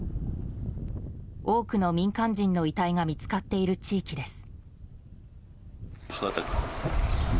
多くの民間人の遺体が見つかっている地域です。